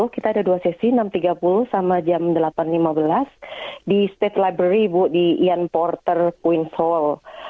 kita ada dua sesi enam tiga puluh sama jam delapan lima belas di state library ibu di ian porter queen s hall